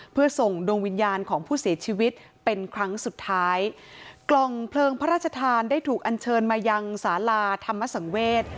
เพื่อส่งดวงวิญญาณของผู้เสียชีวิตเป็นครั้งสุดท้ายกล่องเพลิงพระราชทานได้ถูกอันเชิญมายังสาราธรรมสังเวศ